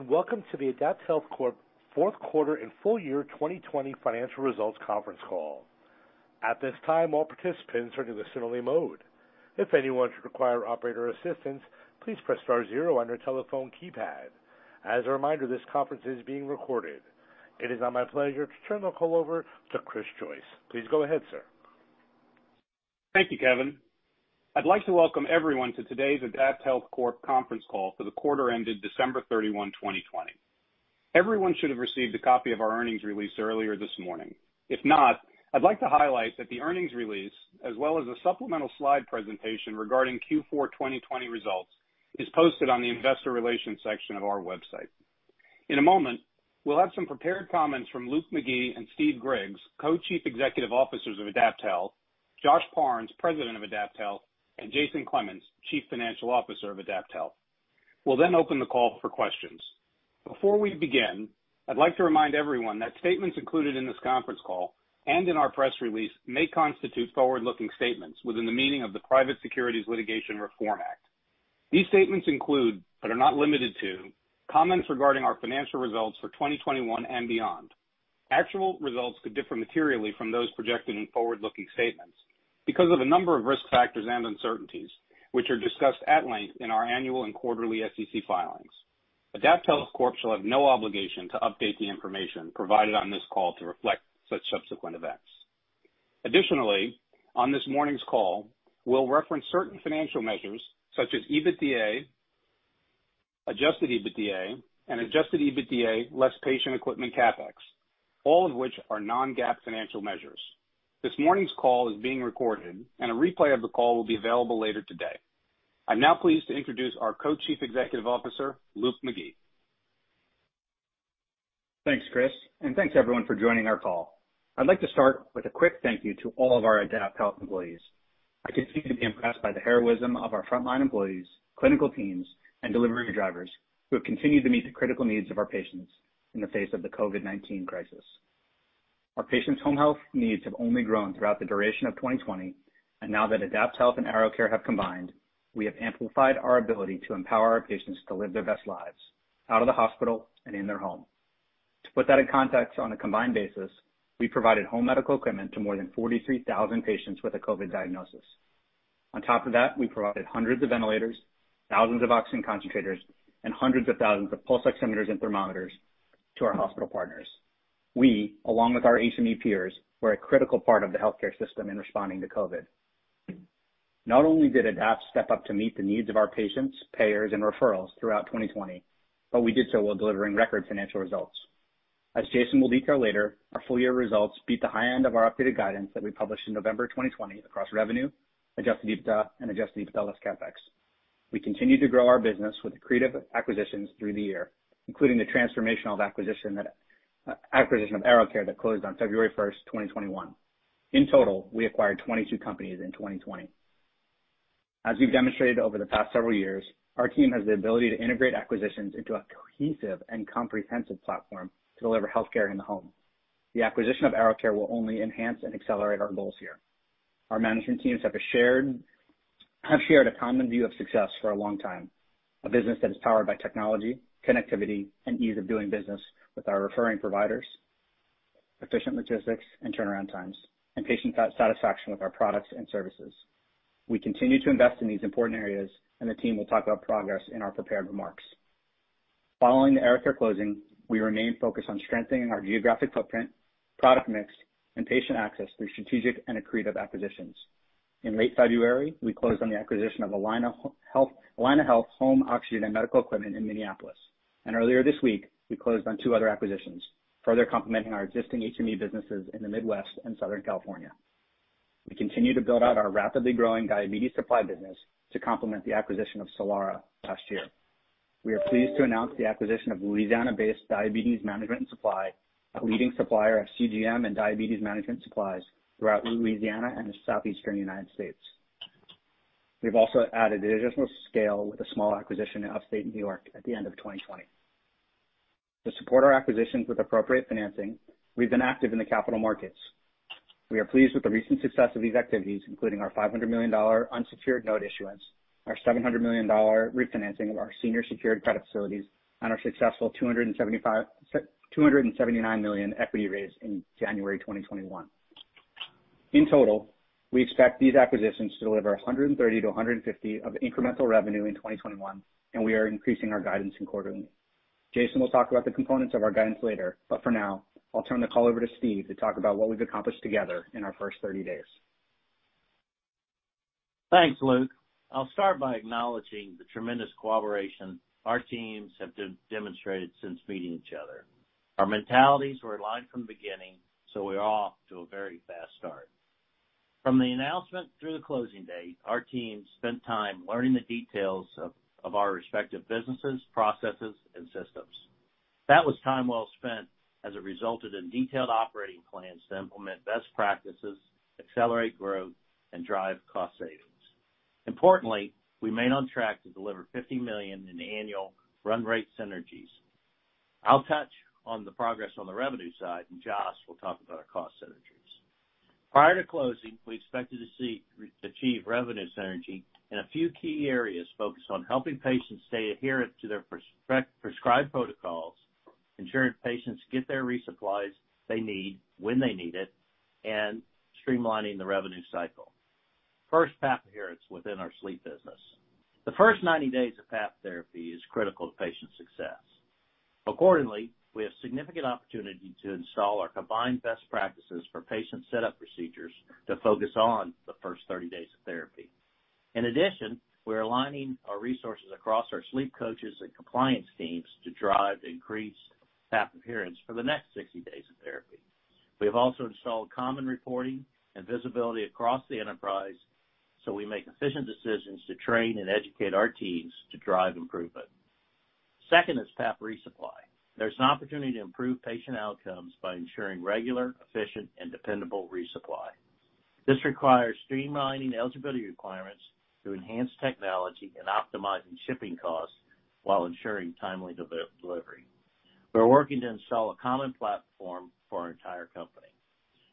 Welcome to the AdaptHealth Corp. Fourth Quarter and Full-Year 2020 Financial Results conference call. At this time all participants are in a listen-only mode. If anyone should require operator assistance, please press zero one on your telephone keypad. As a reminder, this conference is being recorded. It is now my pleasure to turn the call over to Chris Joyce. Please go ahead, sir. Thank you, Kevin. I'd like to welcome everyone to today's AdaptHealth Corp. conference call for the quarter ended December 31, 2020. Everyone should have received a copy of our earnings release earlier this morning. If not, I'd like to highlight that the earnings release, as well as a supplemental slide presentation regarding Q4 2020 results, is posted on the investor relations section of our website. In a moment, we'll have some prepared comments from Luke McGee and Steve Griggs, Co-Chief Executive Officers of AdaptHealth, Josh Parnes, President of AdaptHealth, and Jason Clemens, Chief Financial Officer of AdaptHealth. We'll then open the call for questions. Before we begin, I'd like to remind everyone that statements included in this conference call and in our press release may constitute forward-looking statements within the meaning of the Private Securities Litigation Reform Act. These statements include, but are not limited to, comments regarding our financial results for 2021 and beyond. Actual results could differ materially from those projected in forward-looking statements because of a number of risk factors and uncertainties, which are discussed at length in our annual and quarterly SEC filings. AdaptHealth Corp. Hsall have no obligation to update the information provided on this call to reflect such subsequent events. Additionally, on this morning's call, we'll reference certain financial measures such as EBITDA, adjusted EBITDA, and adjusted EBITDA less patient equipment CapEx, all of which are non-GAAP financial measures. This morning's call is being recorded and a replay of the call will be available later today. I'm now pleased to introduce our Co-Chief Executive Officer, Luke McGee. Thanks, Chris. Thanks everyone for joining our call. I'd like to start with a quick thank you to all of our AdaptHealth employees. I continue to be impressed by the heroism of our frontline employees, clinical teams, and delivery drivers who have continued to meet the critical needs of our patients in the face of the COVID-19 crisis. Our patients' home health needs have only grown throughout the duration of 2020, and now that AdaptHealth and AeroCare have combined, we have amplified our ability to empower our patients to live their best lives out of the hospital and in their home. To put that in context, on a combined basis, we provided home medical equipment to more than 43,000 patients with a COVID diagnosis. On top of that, we provided 100s of ventilators, 1,000sof oxygen concentrators, and 100s of 1,000s of pulse oximeters and thermometers to our hospital partners. We, along with our HME peers, were a critical part of the healthcare system in responding to COVID. Not only did Adapt step up to meet the needs of our patients, payers, and referrals throughout 2020, but we did so while delivering record financial results. As Jason will detail later, our full-year results beat the high end of our updated guidance that we published in November 2020 across revenue, adjusted EBITDA, and adjusted EBITDA less CapEx. We continued to grow our business with accretive acquisitions through the year, including the transformational acquisition of AeroCare that closed on February 1st, 2021. In total, we acquired 22 companies in 2020. As we've demonstrated over the past several years, our team has the ability to integrate acquisitions into a cohesive and comprehensive platform to deliver healthcare in the home. The acquisition of AeroCare will only enhance and accelerate our goals here. Our management teams have shared a common view of success for a long time. A business that is powered by technology, connectivity, and ease of doing business with our referring providers, efficient logistics and turnaround times, and patient satisfaction with our products and services. We continue to invest in these important areas and the team will talk about progress in our prepared remarks. Following the AeroCare closing, we remain focused on strengthening our geographic footprint, product mix, and patient access through strategic and accretive acquisitions. In late February, we closed on the acquisition of Allina Health Home Oxygen & Medical Equipment in Minneapolis, and earlier this week, we closed on two other acquisitions, further complementing our existing HME businesses in the Midwest and Southern California. We continue to build out our rapidly growing diabetes supply business to complement the acquisition of Solara last year. We are pleased to announce the acquisition of Louisiana-based Diabetes Management and Supply, a leading supplier of CGM and diabetes management supplies throughout Louisiana and the Southeastern U.S. We've also added additional scale with a small acquisition in Upstate New York at the end of 2020. To support our acquisitions with appropriate financing, we've been active in the capital markets. We are pleased with the recent success of these activities, including our $500 million unsecured note issuance, our $700 million refinancing of our senior secured credit facilities, and our successful $279 million equity raise in January 2021. In total, we expect these acquisitions to deliver $130 million to $150 million of incremental revenue in 2021. We are increasing our guidance quarterly. Jason will talk about the components of our guidance later. For now, I'll turn the call over to Steve to talk about what we've accomplished together in our first 30 days. Thanks, Luke. I'll start by acknowledging the tremendous collaboration our teams have demonstrated since meeting each other. Our mentalities were aligned from the beginning, so we're off to a very fast start. From the announcement through the closing date, our teams spent time learning the details of our respective businesses, processes, and systems. That was time well spent as it resulted in detailed operating plans to implement best practices, accelerate growth, and drive cost savings. Importantly, we remain on track to deliver $50 million in annual run rate synergies. I'll touch on the progress on the revenue side, and Josh will talk about our cost synergies. Prior to closing, we expected to achieve revenue synergy in a few key areas focused on helping patients stay adherent to their prescribed protocols, ensuring patients get their resupplies they need when they need it, and streamlining the revenue cycle. First, PAP adherence within our sleep business. The first 90 days of PAP therapy is critical to patient success. Accordingly, we have significant opportunity to install our combined best practices for patient setup procedures to focus on the first 30 days of therapy. In addition, we're aligning our resources across our sleep coaches and compliance teams to drive increased PAP adherence for the next 60 days of therapy. We have also installed common reporting and visibility across the enterprise, so we make efficient decisions to train and educate our teams to drive improvement. Second is PAP resupply. There's an opportunity to improve patient outcomes by ensuring regular, efficient, and dependable resupply. This requires streamlining eligibility requirements through enhanced technology and optimizing shipping costs while ensuring timely delivery. We're working to install a common platform for our entire company.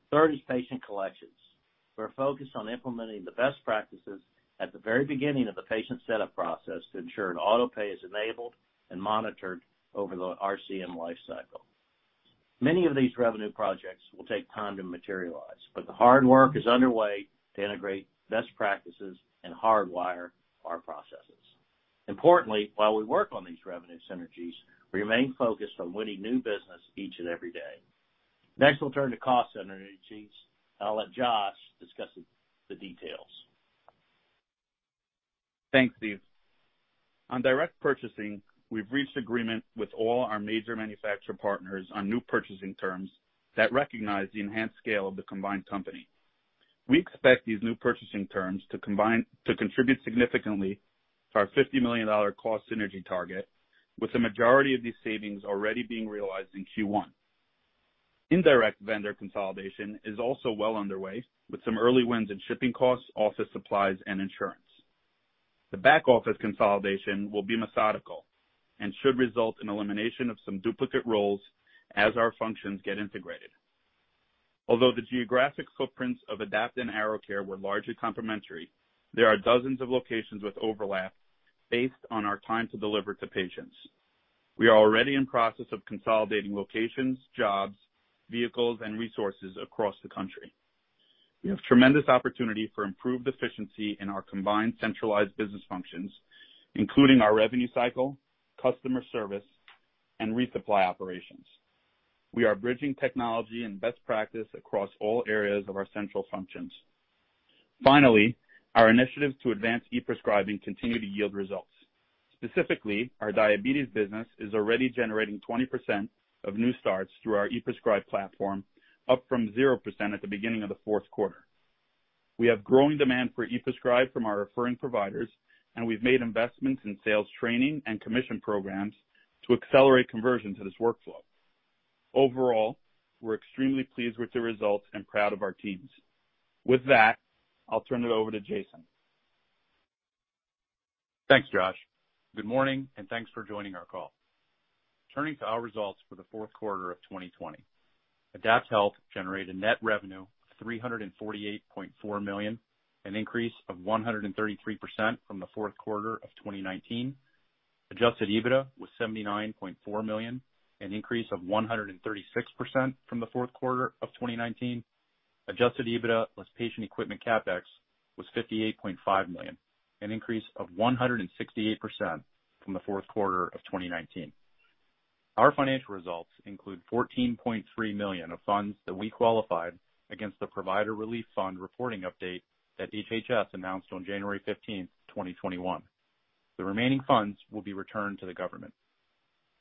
Third is patient collections. We're focused on implementing the best practices at the very beginning of the patient setup process to ensure an auto-pay is enabled and monitored over the RCM life cycle. Many of these revenue projects will take time to materialize, but the hard work is underway to integrate best practices, and hardwire our processes. Importantly, while we work on these revenue synergies, we remain focused on winning new business each and every day. Next, we'll turn to cost synergies, and I'll let Josh discuss the details. Thanks, Steve. On direct purchasing, we've reached agreement with all our major manufacturer partners on new purchasing terms that recognize the enhanced scale of the combined company. We expect these new purchasing terms to contribute significantly to our $50 million cost synergy target, with the majority of these savings already being realized in Q1. Indirect vendor consolidation is also well underway with some early wins in shipping costs, office supplies, and insurance. The back-office consolidation will be methodical and should result in elimination of some duplicate roles as our functions get integrated. Although the geographic footprints of Adapt and AeroCare were largely complementary, there are dozens of locations with overlap based on our time to deliver to patients. We are already in process of consolidating locations, jobs, vehicles, and resources across the country. We have tremendous opportunity for improved efficiency in our combined centralized business functions, including our revenue cycle, customer service, and resupply operations. We are bridging technology and best practice across all areas of our central functions. Finally, our initiatives to advance e-prescribing continue to yield results. Specifically, our diabetes business is already generating 20% of new starts through our ePrescribe platform, up from 0% at the beginning of the fourth quarter. We have growing demand for ePrescribe from our referring providers, and we've made investments in sales training and commission programs to accelerate conversion to this workflow. Overall, we're extremely pleased with the results and proud of our teams. With that, I'll turn it over to Jason. Thanks, Josh. Good morning and thanks for joining our call. Turning to our results for the fourth quarter of 2020. AdaptHealth generated net revenue of $348.4 million, an increase of 133% from the fourth quarter of 2019. Adjusted EBITDA was $79.4 million, an increase of 136% from the fourth quarter of 2019. Adjusted EBITDA plus patient equipment CapEx was $58.5 million, an increase of 168% from the fourth quarter of 2019. Our financial results include $14.3 million of funds that we qualified against the Provider Relief Fund reporting update that HHS announced on January 15th, 2021. The remaining funds will be returned to the government.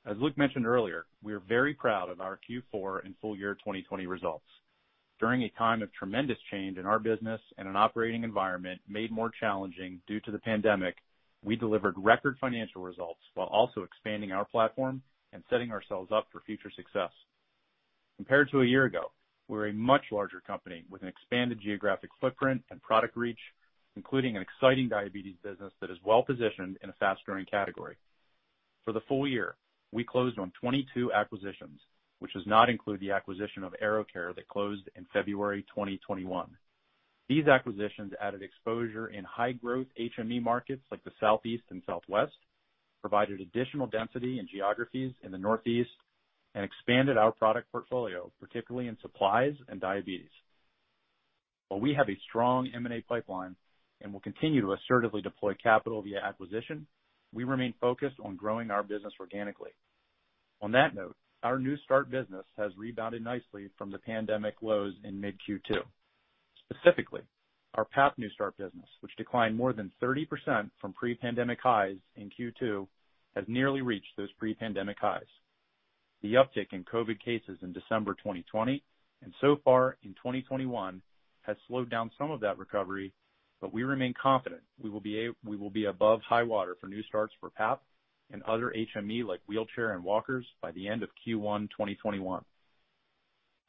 As Luke mentioned earlier, we are very proud of our Q4 and full-year 2020 results. During a time of tremendous change in our business and an operating environment made more challenging due to the pandemic, we delivered record financial results while also expanding our platform and setting ourselves up for future success. Compared to a year ago, we're a much larger company with an expanded geographic footprint and product reach, including an exciting diabetes business that is well positioned in a fast-growing category. For the full year, we closed on 22 acquisitions, which does not include the acquisition of AeroCare that closed in February 2021. These acquisitions added exposure in high growth HME markets like the Southeast and Southwest, provided additional density in geographies in the Northeast, and expanded our product portfolio, particularly in supplies and diabetes. While we have a strong M&A pipeline and will continue to assertively deploy capital via acquisition, we remain focused on growing our business organically. On that note, our new start business has rebounded nicely from the pandemic lows in mid Q2. Specifically, our PAP new start business, which declined more than 30% from pre-pandemic highs in Q2, has nearly reached those pre-pandemic highs. The uptick in COVID cases in December 2020 and so far in 2021 has slowed down some of that recovery, but we remain confident we will be above high water for new starts for PAP, and other HME like wheelchair and walkers by the end of Q1 2021.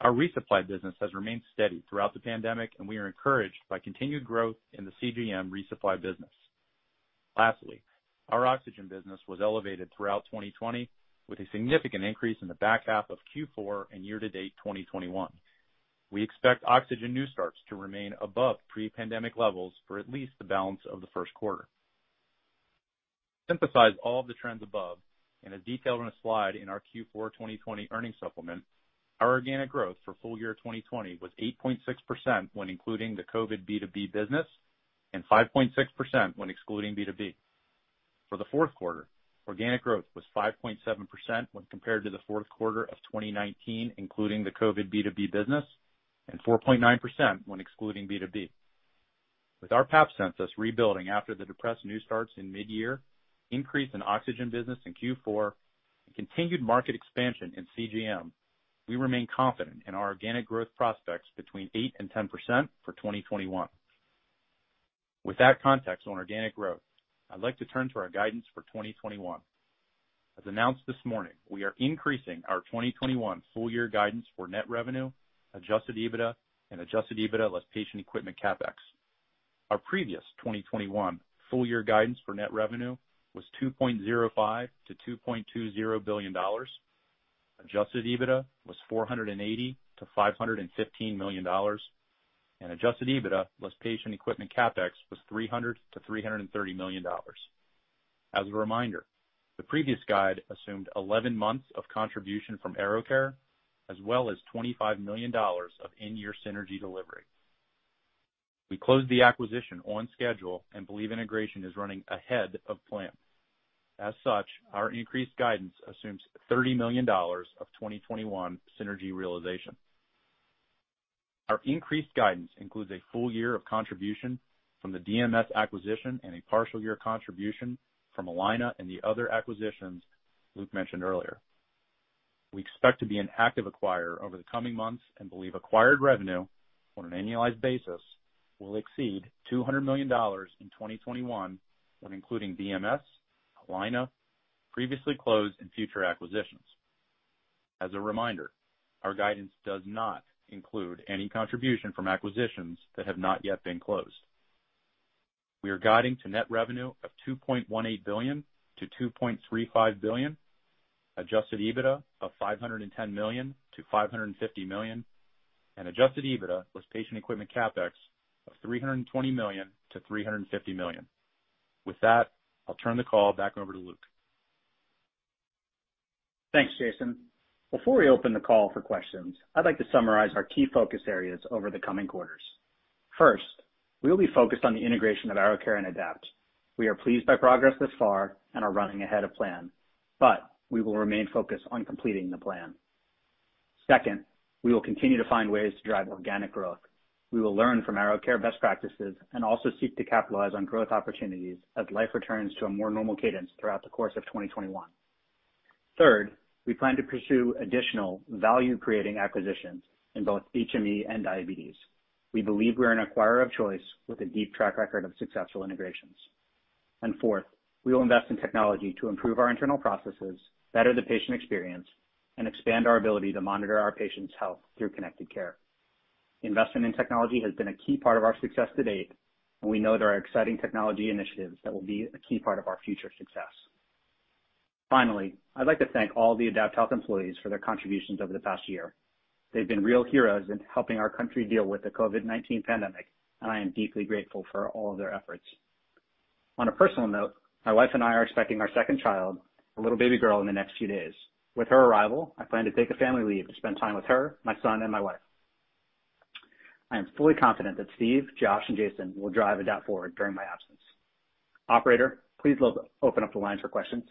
Our resupply business has remained steady throughout the pandemic, and we are encouraged by continued growth in the CGM resupply business. Lastly, our oxygen business was elevated throughout 2020, with a significant increase in the back half of Q4 and year to date 2021. We expect oxygen new starts to remain above pre-pandemic levels for at least the balance of the first quarter. Synthesize all of the trends above, and as detailed in a slide in our Q4 2020 earnings supplement, our organic growth for full-year 2020 was 8.6% when including the COVID B2B business, and 5.6% when excluding B2B. For the fourth quarter, organic growth was 5.7% when compared to the fourth quarter of 2019, including the COVID B2B business, and 4.9% when excluding B2B. With our PAP census rebuilding after the depressed new starts in mid-year, increase in oxygen business in Q4, and continued market expansion in CGM, we remain confident in our organic growth prospects between 8% and 10% for 2021. With that context on organic growth, I'd like to turn to our guidance for 2021. As announced this morning, we are increasing our 2021 full-year guidance for net revenue, adjusted EBITDA, and adjusted EBITDA less patient equipment CapEx. Our previous 2021 full-year guidance for net revenue was $2.05 billion to $2.20 billion. Adjusted EBITDA was $480 million to $515 million, and Adjusted EBITDA less patient equipment CapEx was $300 million to $330 million. As a reminder, the previous guide assumed 11 months of contribution from AeroCare, as well as $25 million of in-year synergy delivery. We closed the acquisition on schedule and believe integration is running ahead of plan. As such, our increased guidance assumes $30 million of 2021 synergy realization. Our increased guidance includes a full-year of contribution from the DMS acquisition and a partial year contribution from Allina and the other acquisitions Luke mentioned earlier. We expect to be an active acquirer over the coming months and believe acquired revenue on an annualized basis will exceed $200 million in 2021 when including DMS, Allina, previously closed and future acquisitions. As a reminder, our guidance does not include any contribution from acquisitions that have not yet been closed. We are guiding to net revenue of $2.18 billion to $2.35 billion, adjusted EBITDA of $510 million to $550 million, and adjusted EBITDA plus patient equipment CapEx of $320 million to $350 million. With that, I'll turn the call back over to Luke. Thanks, Jason. Before we open the call for questions, I'd like to summarize our key focus areas over the coming quarters. First, we will be focused on the integration of AeroCare and AdaptHealth. We are pleased by progress thus far and are running ahead of plan, but we will remain focused on completing the plan. Second, we will continue to find ways to drive organic growth. We will learn from AeroCare best practices and also seek to capitalize on growth opportunities as life returns to a more normal cadence throughout the course of 2021. Third, we plan to pursue additional and value-creating acquisitions in both HME and diabetes. We believe we're an acquirer of choice with a deep track record of successful integrations. Fourth, we will invest in technology to improve our internal processes, better the patient experience, and expand our ability to monitor our patients' health through connected care. Investment in technology has been a key part of our success to date and we know there are exciting technology initiatives that will be a key part of our future success. Finally, I'd like to thank all the AdaptHealth employees for their contributions over the past year. They've been real heroes in helping our country deal with the COVID-19 pandemic, and I am deeply grateful for all of their efforts. On a personal note, my wife and I are expecting our second child, a little baby girl, in the next few days. With her arrival, I plan to take a family leave to spend time with her, my son, and my wife. I am fully confident that Steve, Josh, and Jason will drive Adapt forward during my absence. Operator, please open up the lines for questions.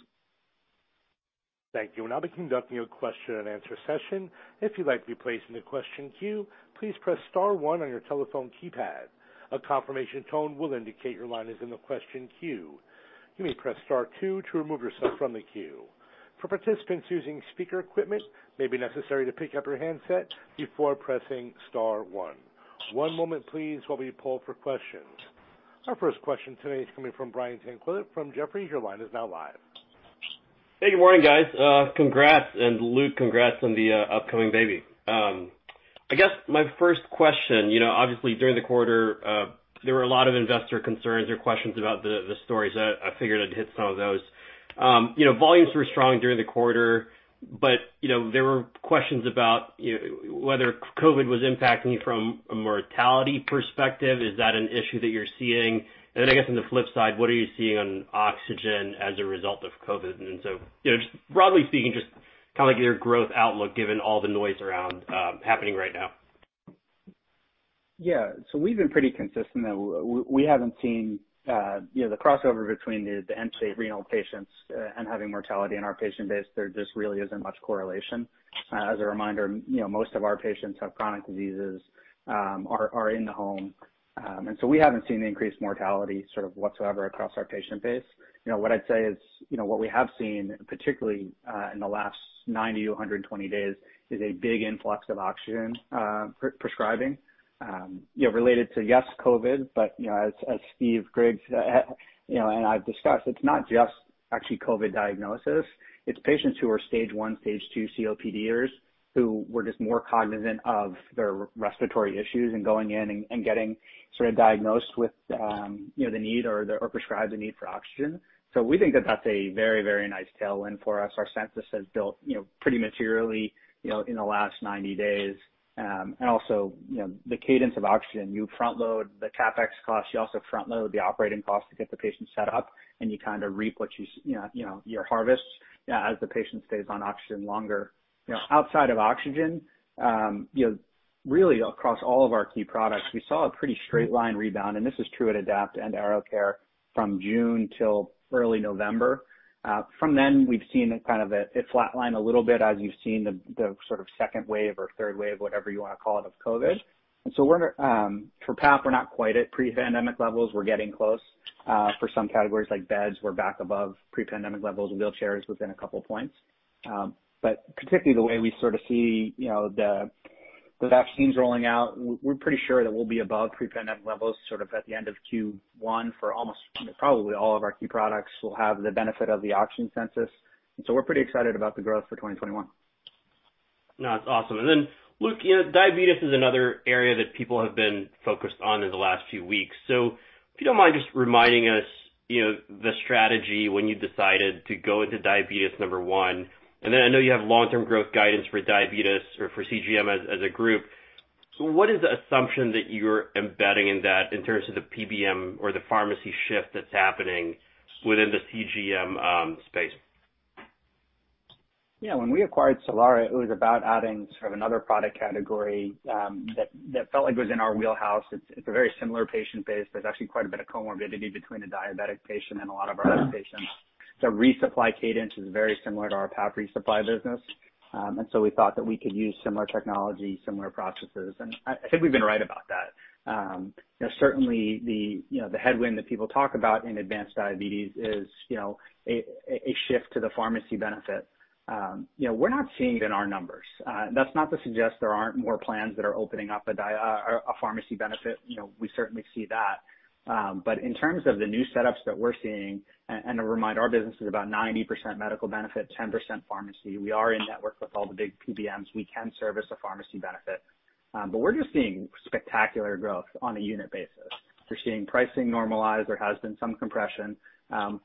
Thank you. We'll now be conducting a question and answer session. If you'd like to be placed in the question queue, please press star one on your telephone keypad. A confirmation tone will indicate your line is in the question queue. You may press star two to remove yourself from the queue. For participants using speaker equipment, it may be necessary to pick up your handset before pressing star one. One moment please while we pull for questions. Our first question today is coming from Brian Tanquilut from Jefferies. Your line is now live. Hey, good morning, guys, congrats, and Luke, congrats on the upcoming baby. I guess my first question, obviously during the quarter, there were a lot of investor concerns or questions about the stories. I figured I'd hit some of those. You know, volumes were strong during the quarter, but there were questions about whether COVID was impacting you from a mortality perspective. Is that an issue that you're seeing? Then I guess on the flip side, what are you seeing on oxygen as a result of COVID? And just broadly speaking, just kind of like your growth outlook given all the noise around happening right now. Yeah, so we've been pretty consistent that we haven't seen the crossover between the end-stage renal patients and having mortality in our patient base. There just really isn't much correlation. As a reminder, you know, most of our patients have chronic diseases, are in the home. We haven't seen the increased mortality sort of whatsoever across our patient base. What I'd say is, you know, what we have seen, particularly in the last 90 to 120 days, is a big influx of oxygen prescribing, you know, related to, yes, COVID, but as Steve Griggs and I have discussed, it's not just actually COVID diagnosis, it's patients who are stage 1, stage 2 COPDers who were just more cognizant of their respiratory issues and going in and getting sort of diagnosed with, you know, the need or prescribed the need for oxygen. We think that that's a very, very nice tailwind for us. Our census has built pretty materially in the last 90 days, and also, the cadence of oxygen, you front-load the CapEx cost, you also front-load the operating cost to get the patient set up, and you kind of reap what, you know, you harvest as the patient stays on oxygen longer. Outside of oxygen, you know, really across all of our key products, we saw a pretty straight line rebound, and this is true at Adapt and AeroCare from June till early November. From then, we've seen kind of it flatline a little bit as you've seen the sort of second wave or third wave, whatever you want to call it, of COVID. For PAP, we're not quite at pre-pandemic levels. We're getting close. For some categories like beds, we're back above pre-pandemic levels, wheelchairs within a couple of points, but particularly the way we sort of see the vaccines rolling out, we're pretty sure that we'll be above pre-pandemic levels sort of at the end of Q1 for almost probably all of our key products will have the benefit of the oxygen census. We're pretty excited about the growth for 2021. No, that's awesome, and then Luke, you know, diabetes is another area that people have been focused on in the last few weeks. If you don't mind just reminding us, you know, the strategy when you decided to go into diabetes, number one. I know you have long-term growth guidance for diabetes or for CGM as a group. What is the assumption that you're embedding in that in terms of the PBM or the pharmacy shift that's happening within the CGM space? Yeah. When we acquired Solara, it was about adding sort of another product category that felt like it was in our wheelhouse. It's a very similar patient base. There's actually quite a bit of comorbidity between a diabetic patient and a lot of our other patients. The resupply cadence is very similar to our PAP resupply business, and so we thought that we could use similar technology, similar processes, and I think we've been right about that. You know, certainly, you know, the headwind that people talk about in advanced diabetes is, you know, a shift to the pharmacy benefit. We're not seeing it in our numbers. That's not to suggest there aren't more plans that are opening up a pharmacy benefit. We certainly see that. In terms of the new setups that we're seeing, and to remind, our business is about 90% medical benefit, 10% pharmacy. We are in network with all the big PBMs. We can service a pharmacy benefit. We're just seeing spectacular growth on a unit basis. We're seeing pricing normalize. There has been some compression,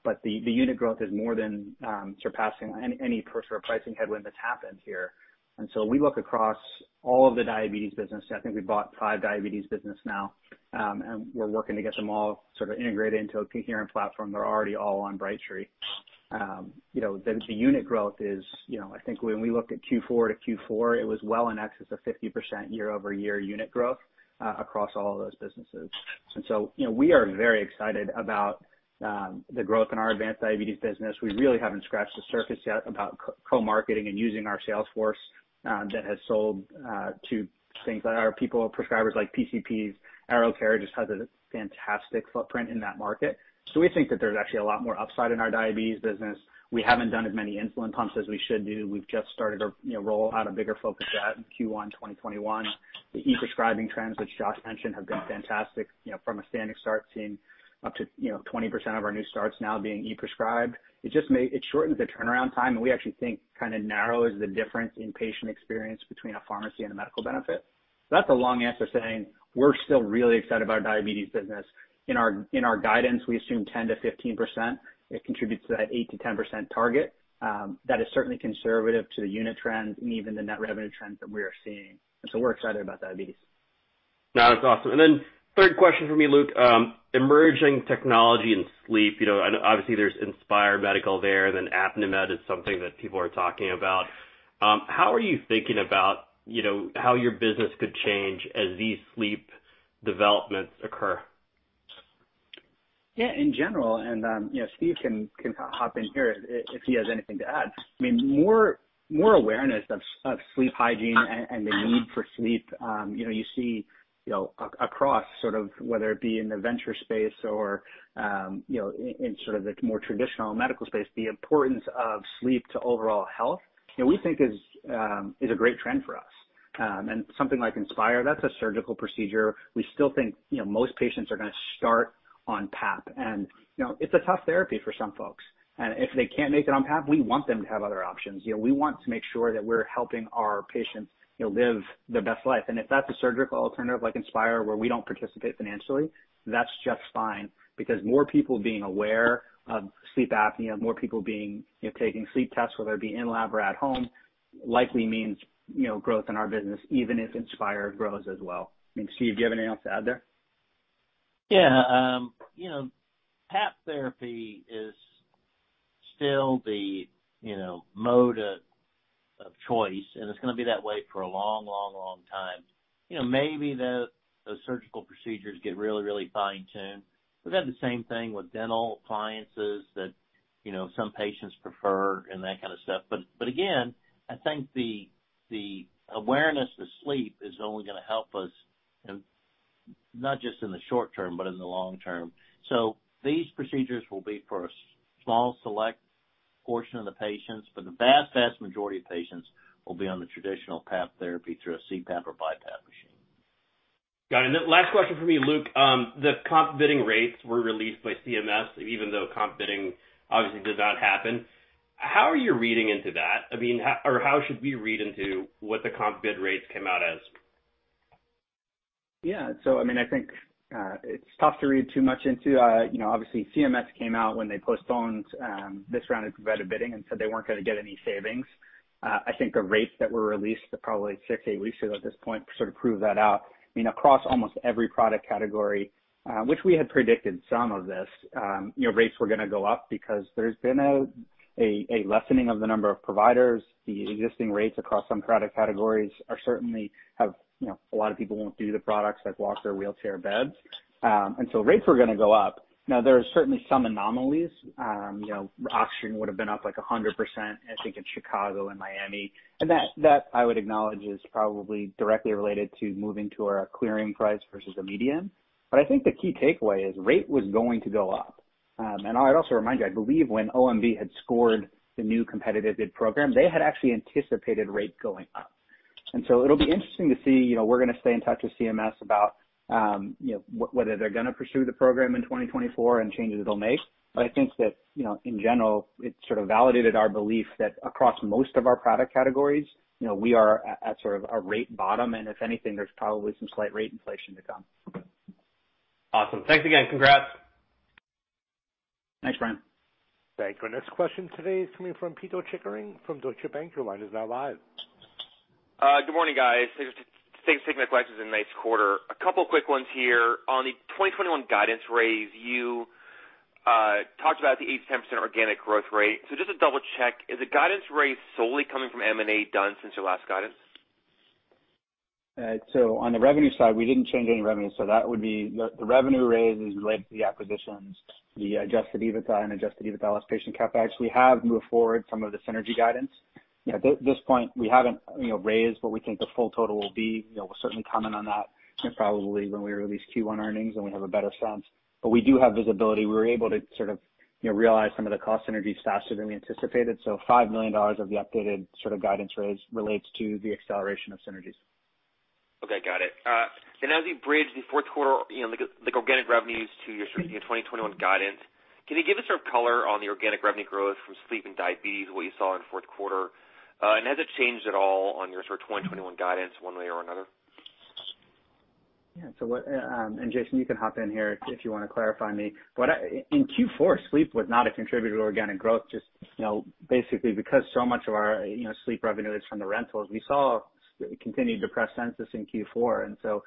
but the unit growth is more than surpassing any pricing headwind that's happened here. We look across all of the diabetes business. I think we bought five diabetes business now and we're working to get them all sort of integrated into a coherent platform. They're already all on Brightree. You know, then to unit growth is, I think we looked at Q4 to Q4. It was well in excess of 50% year-over-year unit growth across all of those businesses and so we are very excited about the growth in our advanced diabetes business. We really haven't scratched the surface yet about co-marketing and using our sales force that has sold to things that our people, prescribers like PCPs. AeroCare just has a fantastic footprint in that market. We think that there's actually a lot more upside in our diabetes business. We haven't done as many insulin pumps as we should do. We've just started to roll out a bigger focus on that in Q1 2021. The ePrescribe trends, which Josh mentioned, have been fantastic, you know, from a standing start seeing up to, you know, 20% of our new starts now being e-prescribed. It shortens the turnaround time and we actually think kind of narrows the difference in patient experience between a pharmacy and a medical benefit. That's a long answer saying we're still really excited about our diabetes business. In our guidance, we assume 10% to 15%. It contributes to that 8% to 10% target. That is certainly conservative to the unit trends and even the net revenue trends that we are seeing and so we're excited about diabetes. No, that's awesome, and then third question for me, Luke. Emerging technology and sleep, obviously there's Inspire Medical there, then ApneaMed is something that people are talking about. How are you thinking about how your business could change as these sleep developments occur? Yeah, in general, and, you know, Steve can hop in here if he has anything to add. I mean, more awareness of sleep hygiene and the need for sleep. You know, you see across sort of whether it be in the venture space or in sort of the more traditional medical space, the importance of sleep to overall health, you know, we think is a great trend for us. Something like Inspire, that's a surgical procedure. We still think most patients are going to start on PAP and it's a tough therapy for some folks. If they can't make it on PAP, we want them to have other options. We want to make sure that we're helping our patients live their best life. If that's a surgical alternative like Inspire, where we don't participate financially, that's just fine because more people being aware of sleep apnea, more people taking sleep tests, whether it be in-lab or at home, likely means growth in our business, even if Inspire grows as well. I think, Steve, do you have anything else to add there? Yeah. You know, PAP therapy is still the, you know, mode of choice, and it's going to be that way for a long, long, long, long time. You know, maybe those surgical procedures get really, really fine-tuned. We've had the same thing with dental appliances that, you know, some patients prefer and that kind of stuff. Again, I think the awareness of sleep is only going to help us, you know, not just in the short term, but in the long term. These procedures will be for a small select portion of the patients, but the vast majority of patients will be on the traditional PAP therapy through a CPAP or BiPAP machine. Got it and then last question from me, Luke. The comp bidding rates were released by CMS, even though comp bidding obviously does not happen. How are you reading into that? How should we read into what the comp bid rates came out as? Yeah. I think it's tough to read too much into. You know, obviously, CMS came out when they postponed this round of competitive bidding and said they weren't going to get any savings. I think the rates that were released, the probably six weeks, eight weeks ago at this point sort of prove that out and across almost every product category, which we had predicted some of this. You know, rates were going to go up because there's been a lessening of the number of providers. These existing rates across some product categories certainly have, a lot of people won't do the products like walker, wheelchair, beds and so rates were going to go up. There are certainly some anomalies. You know, oxygen would've been up like 100%, I think in Chicago and Miami. That, I would acknowledge, is probably directly related to moving to a clearing price versus a median. I think the key takeaway is rate was going to go up and I'd also remind you, I believe when OMB had scored the new Competitive Bid Program, they had actually anticipated rates going up, and so it'll be interesting to see. You know, we're going to stay in touch with CMS about, you know, whether they're going to pursue the program in 2024 and changes it'll make. I think that, in general, it sort of validated our belief that across most of our product categories, you know, we are at sort of a rate bottom, and if anything, there's probably some slight rate inflation to come. Awesome. Thanks again. Congrats. Thanks, Brian. Thank you. Our next question today is coming from Pito Chickering from Deutsche Bank. Your line is now live. Good morning, guys. Thanks for taking my questions and nice quarter. A couple quick ones here. On the 2021 guidance raise, you talked about the 8%, 10% organic growth rate, so just to double-check, is the guidance raise solely coming from M&A done since your last guidance? Right. On the revenue side, we didn't change any revenue, that would be the revenue raise is related to the acquisitions, the adjusted EBITDA and adjusted EBITDA less patient CapEx. We have moved forward some of the synergy guidance. At this point, we haven't, you know, raised what we think the full total will be. We'll certainly comment on that probably when we release Q1 earnings, and we have a better sense, but we do have visibility. We were able to sort of, you know, realize some of the cost synergies faster than we anticipated, so $5 million of the updated sort of guidance raise relates to the acceleration of synergies. Okay, got it, and as you bridge the fourth quarter, the organic revenues to your sort of 2021 guidance, can you give us sort of color on the organic revenue growth from sleep and diabetes, what you saw in the fourth quarter? Has it changed at all on your sort of 2021 guidance one way or another? Yeah. Jason, you can hop in here if you want to clarify me. In Q4, sleep was not a contributor to organic growth just, you know, basically because so much of our, you know, sleep revenue is from the rentals. We saw a continued depressed census in Q4, and so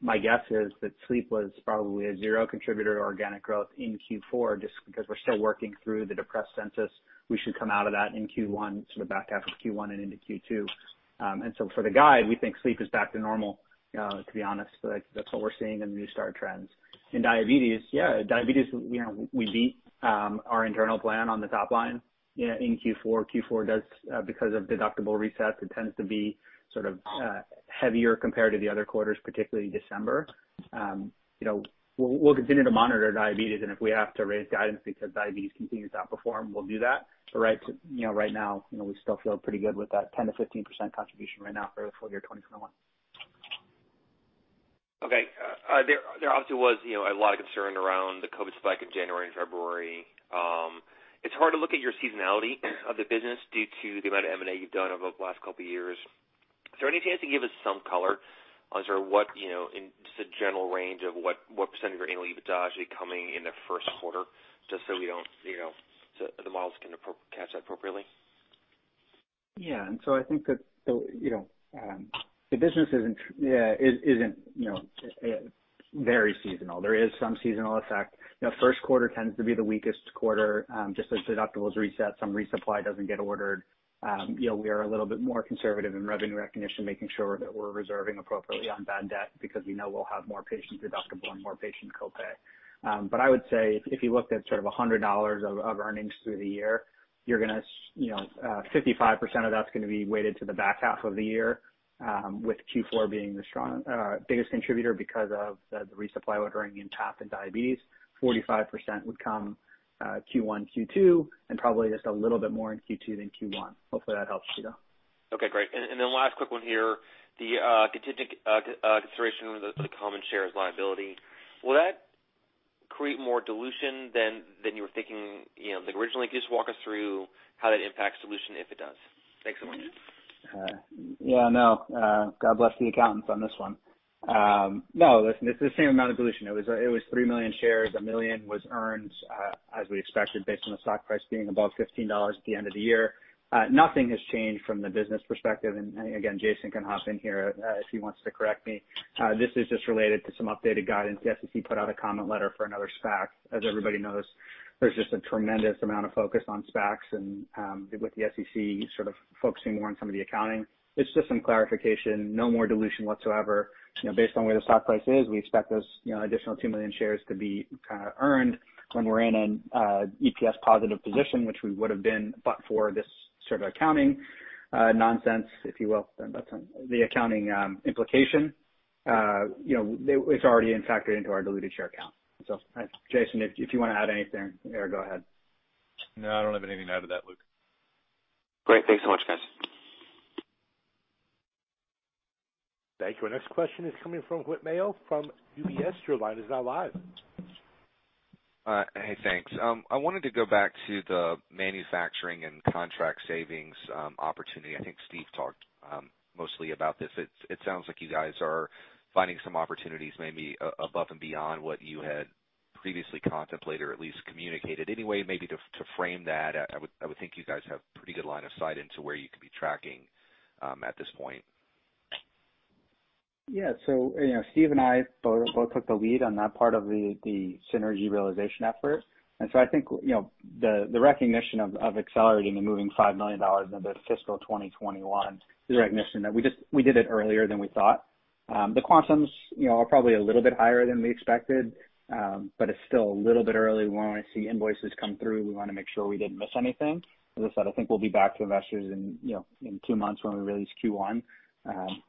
my guess is that sleep was probably a zero contributor to organic growth in Q4 just because we're still working through the depressed census. We should come out of that in Q1, sort of back half of Q1 and into Q2. For the guide, we think sleep is back to normal, to be honest, but that's what we're seeing in the new start trends. In diabetes, yeah. Diabetes, you know, we beat our internal plan on the top line in Q4. Q4 does, because of deductible resets, it tends to be sort of heavier compared to the other quarters, particularly December. You know, we'll continue to monitor diabetes, and if we have to raise guidance because diabetes continues to outperform, we'll do that. Right now, we still feel pretty good with that 10% to 15% contribution right now for the full-year 2021. Okay. There, obviously, was, you know, a lot of concern around the COVID spike in January and February. It's hard to look at your seasonality of the business due to the amount of M&A you've done over the last couple of years. Is there any chance you can give us some color on just a general range of what percentage of your annual EBITDA should be coming in the first quarter, just so the models can catch that appropriately? Yeah. I think that the business isn't, yeah, isn't, you know, very seasonal. There is some seasonal effect. First quarter tends to be the weakest quarter, just as deductibles reset, some resupply doesn't get ordered. You know, we are a little bit more conservative in revenue recognition, making sure that we're reserving appropriately on bad debt because we know we'll have more patient deductible and more patient copay. I would say, if you looked at sort of $100 of earnings through the year, you know, 55% of that's going to be weighted to the back half of the year, with Q4 being the biggest contributor because of the resupply ordering in PAP and diabetes. 45% would come Q1, Q2, and probably just a little bit more in Q2 than Q1. Hopefully, that helps, Pito. Okay, great, and then last quick one here. The contingent consideration of the common shares liability, will that create more dilution than you were thinking, you know, originally? Can you just walk us through how that impacts dilution, if it does? Thanks so much. Yeah, I know. God bless the accountants on this one. No, listen, it's the same amount of dilution. It was 3 million shares, 1 million was earned as we expected, based on the stock price being above $15 at the end of the year. Nothing has changed from the business perspective, and again, Jason can hop in here if he wants to correct me. This is just related to some updated guidance. The SEC put out a comment letter for another SPAC. As everybody knows, there's just a tremendous amount of focus on SPACs and with the SEC sort of focusing more on some of the accounting. It's just some clarification. No more dilution whatsoever. Based on where the stock price is, we expect those additional 2 million shares to be kind of earned when we're in an EPS positive position, which we would've been, but for this sort of accounting nonsense, if you will, the accounting implication. You know, it's already in factored into our diluted share count. Jason, if you want to add anything there, go ahead. No, I don't have anything to add to that, Luke. Great. Thanks so much, guys. Thank you. Our next question is coming from Whit Mayo from UBS. Your line is now live. Hey, thanks. I wanted to go back to the manufacturing and contract savings opportunity. I think Steve talked mostly about this. It sounds like you guys are finding some opportunities maybe above and beyond what you had previously contemplated or at least communicated. Any way maybe to frame that, I would think you guys have pretty good line of sight into where you could be tracking at this point. Yeah. Steve and I both took the lead on that part of the synergy realization effort. I think, the recognition of accelerating and moving $5 million into fiscal 2021 is a recognition that we did it earlier than we thought. The Quantum's, you know, are probably a little bit higher than we expected, it's still a little bit early. We want to see invoices come through. We want to make sure we didn't miss anything. As I said, I think we'll be back to investors in two months when we release Q1.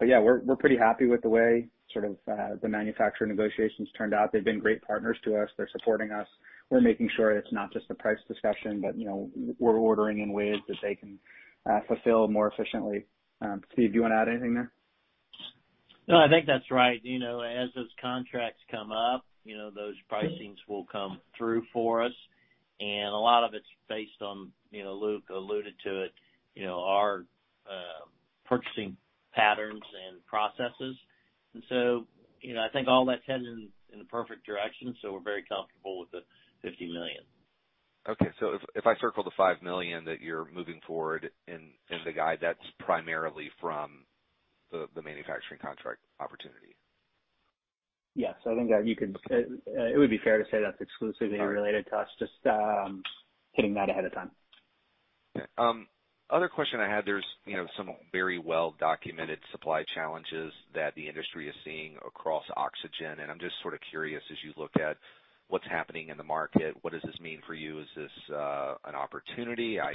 Yeah, we're pretty happy with the way sort of the manufacturing negotiations turned out. They've been great partners to us. They're supporting us. We're making sure it's not just a price discussion but, you know, we're ordering in ways that they can fulfill more efficiently. Steve, do you want to add anything there? No, I think that's right. You know, as those contracts come up, those pricings will come through for us. A lot of it's based on, Luke alluded to it, our purchasing patterns and processes. I think all that's heading in the perfect direction, so we're very comfortable with the $50 million. Okay. If I circle the $5 million that you're moving forward in the guide, that's primarily from the manufacturing contract opportunity? Yes, I think that it would be fair to say that's exclusively related to us just hitting that ahead of time. Okay. Other question I had is there's, you know, some very well-documented supply challenges that the industry is seeing across oxygen. I'm just sort of curious, as you look at what's happening in the market, what does this mean for you? Is this an opportunity? I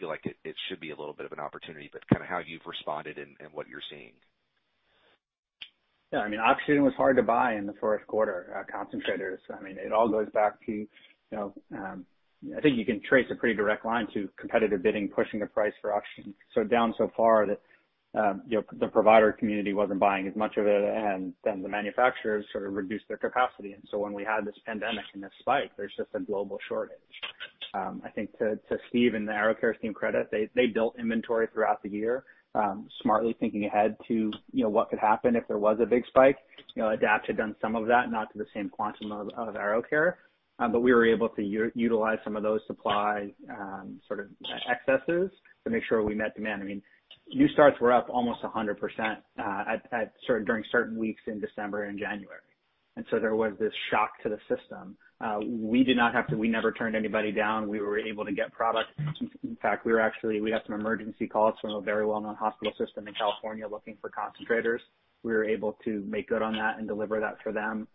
feel like it should be a little bit of an opportunity, but kind of how you've responded, and what you're seeing. Yeah, I mean, oxygen was hard to buy in the first quarter, concentrators, I mean. It all goes back to, you know, I think you can trace a pretty direct line to competitive bidding, pushing the price for oxygen so down so far that, you know, the provider community wasn't buying as much of it, and then the manufacturers sort of reduced their capacity. When we had this pandemic and this spike, there's just a global shortage. I think to Steve and the AeroCare team's credit, they built inventory throughout the year, smartly thinking ahead to what could happen if there was a big spike. You know, Adapt had done some of that, not to the same quantum of AeroCare, but we were able to utilize some of those supply sort of excesses to make sure we met demand. I mean, new starts were up almost 100% during certain weeks in December and January, and so there was this shock to the system. We never turned anybody down. We were able to get product. In fact, we had some emergency calls from a very well-known hospital system in California looking for concentrators. We were able to make good on that and deliver that for them.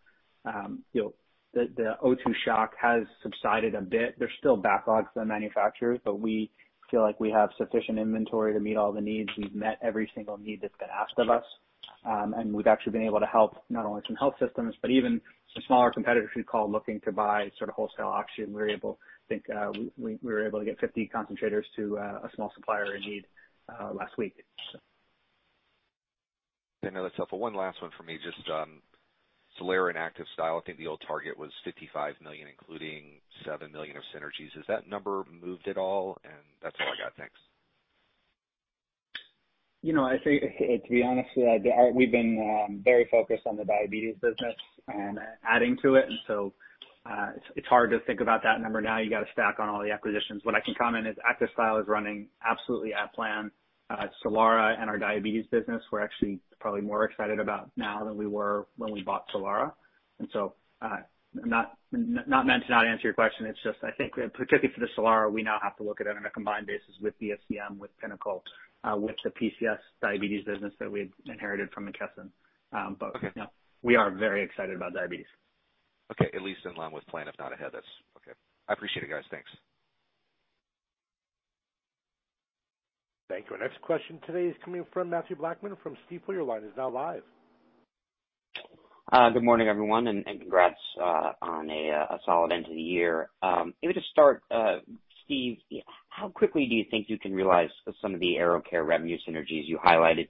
You know, the O2 shock has subsided a bit. There's still backlogs with the manufacturers, but we feel like we have sufficient inventory to meet all the needs. We've met every single need that's been asked of us, and we've actually been able to help not only some health systems, but even some smaller competitors who call looking to buy sort of wholesale oxygen. We were able to get 50 concentrators to a small supplier in need last week. Okay. No, that's helpful. One last one for me, just Solara and ActivStyle, I think the old target was $55 million, including $7 million of synergies. Has that number moved at all? That's all I got. Thanks. To be honest with you, we've been very focused on the diabetes business and adding to it, and so it's hard to think about that number now. You got to stack on all the acquisitions. What I can comment is ActivStyle is running absolutely at plan. Solara and our diabetes business we're actually probably more excited about now than we were when we bought Solara and so not meant to not answer your question. It's just, I think particularly for the Solara, we now have to look at it on a combined basis with DSCM, with Pinnacle, with the PCS diabetes business that we inherited from McKesson. Okay. We are very excited about diabetes. Okay, at least in line with plan, if not ahead. That's okay. I appreciate it, guys. Thanks. Thank you. Our next question today is coming from Mathew Blackman from Stifel. Your line is now live. Good morning, everyone, and congrats on a solid end to the year. Maybe to start, Steve, you know, how quickly do you think you can realize some of the AeroCare revenue synergies you highlighted?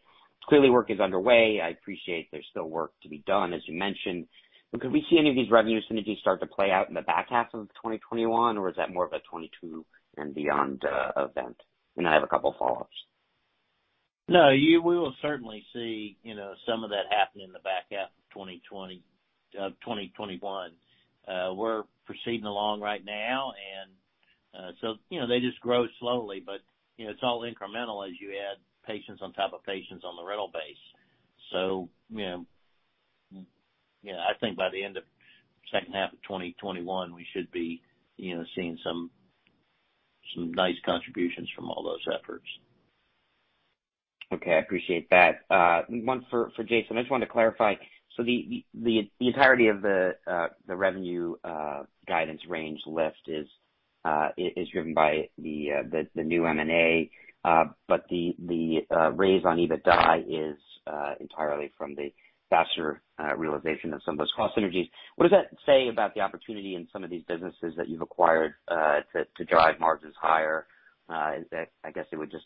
Clearly work is underway. I appreciate there's still work to be done, as you mentioned. Could we see any of these revenue synergies start to play out in the back half of 2021, or is that more of a 2022 and beyond event? Then I have a couple of follow-ups. No, we will certainly see, you know, some of that happen in the back half of 2021. We're proceeding along right now and, you know, they just grow slowly, but it's all incremental as you add patients on top of patients on the rental base. You know, I think by the end of second half of 2021, we should be, you know, seeing some nice contributions from all those efforts. Okay, I appreciate that, and one for Jason, I just wanted to clarify. The entirety of the revenue guidance range lift is driven by the new M&A. The raise on EBITDA is entirely from the faster realization of some of those cost synergies. What does that say about the opportunity in some of these businesses that you've acquired to drive margins higher? I guess it would just,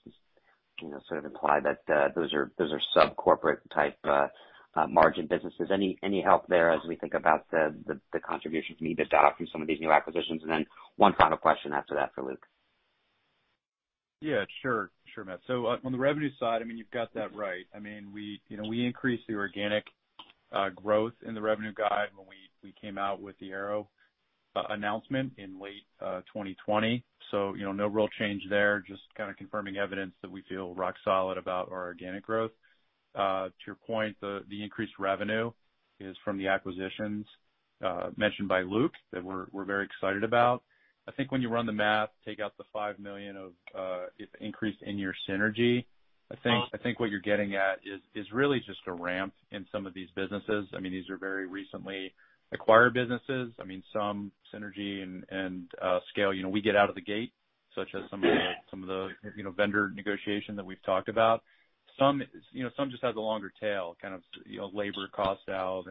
you know, sort of imply that those are sub-corporate type margin businesses. Any help there as we think about the contributions from EBITDA from some of these new acquisitions? One final question after that for Luke. Yeah, sure. Sure, Matt. On the revenue side, you've got that right. We increased the organic growth in the revenue guide when we came out with the Aero announcement in late 2020. No real change there, just kind of confirming evidence that we feel rock solid about our organic growth. To your point, the increased revenue is from the acquisitions mentioned by Luke that we're very excited about. I think when you run the math, take out the $5 million of increase in your synergy, I think what you're getting at is really just a ramp in some of these businesses. I mean, these are very recently acquired businesses. Some synergy and scale, you know, we get out of the gate, such as some of the vendor negotiation that we've talked about. Some just has a longer tail, kind of labor cost out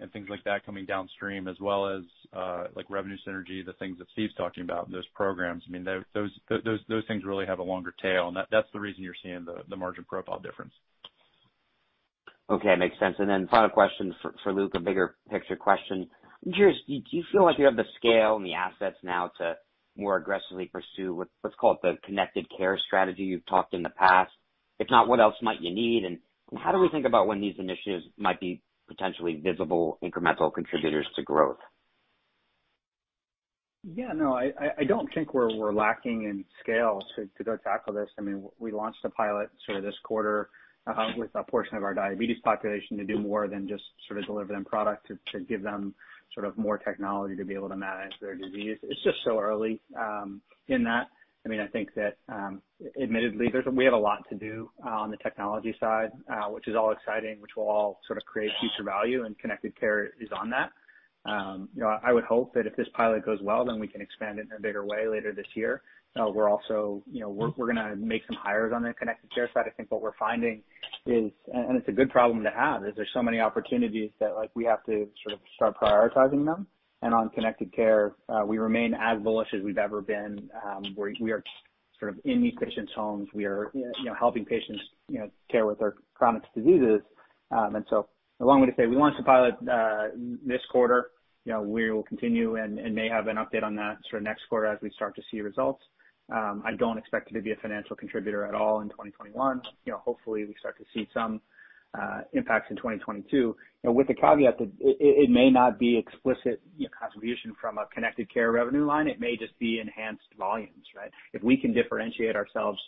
and things like that coming downstream as well as revenue synergy, the things that Steve's talking about and those programs. Those things really have a longer tail, and that's the reason you're seeing the margin profile difference. Okay, makes sense, and then final question for Luke, a bigger picture question. I'm curious, do you feel like you have the scale and the assets now to more aggressively pursue what's called the connected care strategy you've talked in the past? If not, what else might you need? How do we think about when these initiatives might be potentially visible incremental contributors to growth? Yeah, no, I don't think we're lacking in scale to go tackle this. I mean, we launched a pilot sort of this quarter with a portion of our diabetes population to do more than just sort of deliver them product, to give them more technology to be able to manage their disease. It's just so early in that. I think that, admittedly, we have a lot to do on the technology side which is all exciting, which will all sort of create future value and connected care is on that. I would hope that if this pilot goes well, then we can expand it in a bigger way later this year. We're going to make some hires on the connected care side. I think what we're finding is, and it's a good problem to have, is there's so many opportunities that we have to sort of start prioritizing them. On connected care, we remain as bullish as we've ever been. We are sort of in these patients' homes. We are, you know, helping patients care with their chronic diseases. A long way to say, we launched a pilot this quarter. We will continue and may have an update on that sort of next quarter as we start to see results. I don't expect it to be a financial contributor at all in 2021. You know, hopefully, we start to see some impacts in 2022. With the caveat that it may not be explicit contribution from a connected care revenue line. It may just be enhanced volumes, right? If we can differentiate ourselves,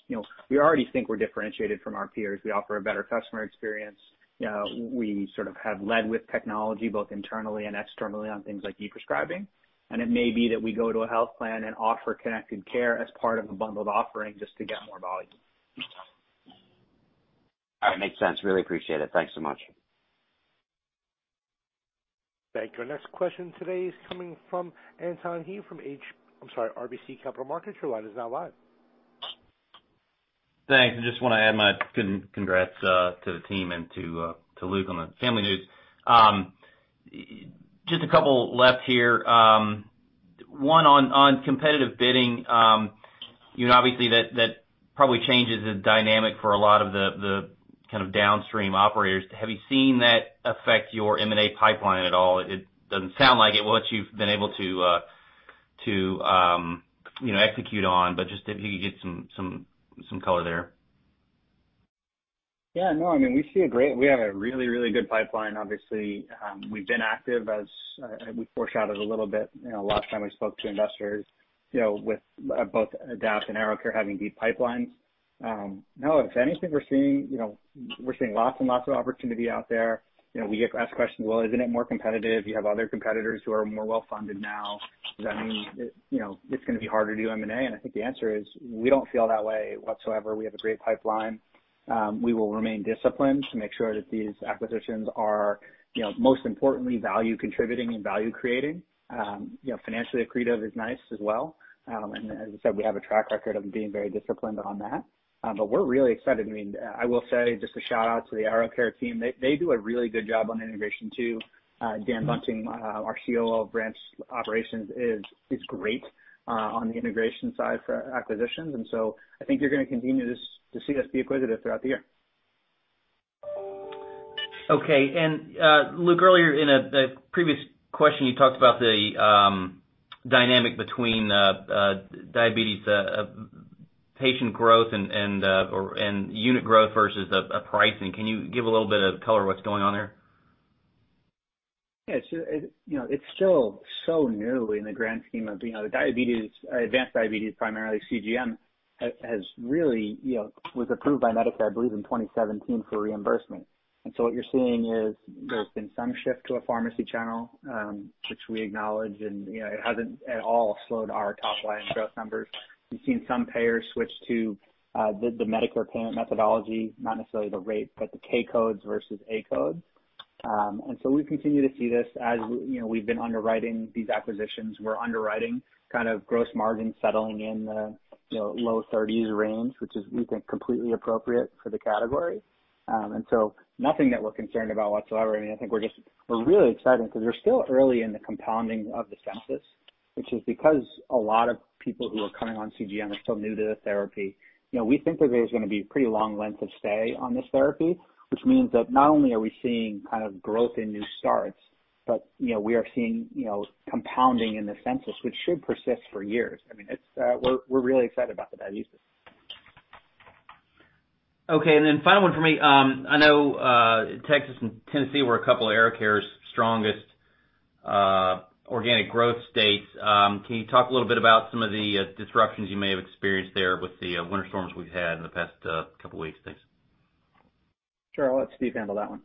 we already think we're differentiated from our peers. We offer a better customer experience. We sort of have led with technology, both internally and externally on things like ePrescribe. It may be that we go to a health plan and offer connected care as part of a bundled offering just to get more volume. All right, makes sense, really appreciate it. Thanks so much. Thank you. Our next question today is coming from Anton Hie from I'm sorry, RBC Capital Markets. Thanks. I just want to add my congrats to the team and to Luke on the family news, just a couple left here, one on competitive bidding. You know, obviously, that probably changes the dynamic for a lot of the kind of downstream operators. Have you seen that affect your M&A pipeline at all? It doesn't sound like it, what you've been able to, you know, execute on, but just if you could get some color there. Yeah, no, we have a really, really good pipeline, obviously. We've been active as we foreshadowed a little bit last time we spoke to investors with both Adapt and AeroCare having deep pipelines. Now, if anything, we're seeing lots and lots of opportunity out there. We get asked questions, "Well, isn't it more competitive? You have other competitors who are more well-funded now. Does that mean it's going to be harder to do M&A?" I think the answer is, we don't feel that way whatsoever. We have a great pipeline. We will remain disciplined to make sure that these acquisitions are, you know, most importantly value contributing and value creating. Financially accretive is nice as well, and as I said, we have a track record of being very disciplined on that. We're really excited. I will say, just a shout-out to the AeroCare team. They do a really good job on integration, too. Daniel Bunting, our COO of Branch Operations, is great on the integration side for acquisitions. I think you're going to continue to see us be acquisitive throughout the year. Okay, and Luke, earlier in a previous question, you talked about the dynamic between diabetes patient growth and unit growth versus pricing. Can you give a little bit of color what's going on there? Yeah. It's still so new in the grand scheme of the advanced diabetes, primarily CGM, was approved by Medicare, I believe, in 2017 for reimbursement. What you're seeing is there's been some shift to a pharmacy channel, which we acknowledge and, you know, it hasn't at all slowed our top-line growth numbers. We've seen some payers switch to the medical payment methodology, not necessarily the rate, but the K codes versus A codes, and so we continue to see this. As, you know, we've been underwriting these acquisitions, we're underwriting kind of gross margin settling in the low 30s range, which is, we think, completely appropriate for the category. Nothing that we're concerned about whatsoever and I think we're really excited because we're still early in the compounding of the census, which is because a lot of people who are coming on CGM are still new to the therapy. You know, we think that there's going to be a pretty long length of stay on this therapy, which means that not only are we seeing growth in new starts, but we are seeing compounding in the census, which should persist for years. We're really excited about the data uses. Okay and then final one from me. I know Texas and Tennessee were a couple of AeroCare's strongest organic growth states. Can you talk a little bit about some of the disruptions you may have experienced there with the winter storms we've had in the past couple of weeks? Thanks. Sure. I'll let Steve handle that one.